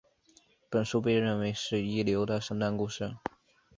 本书被认为是一流的圣诞故事。